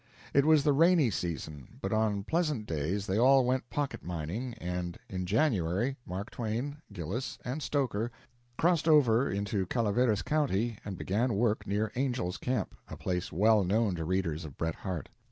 It was the rainy season, but on pleasant days they all went pocket mining, and, in January, Mark Twain, Gillis, and Stoker crossed over into Calaveras County and began work near Angel's Camp, a place well known to readers of Bret Harte.